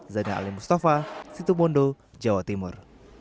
zainal ali mustafa situ bondo jawa timur